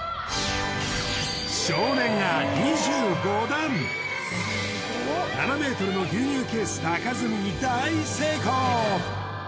少年が２５段７ｍの牛乳ケース高積みに大成功！